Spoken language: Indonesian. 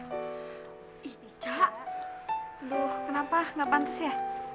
loh kenapa nggak pantes ya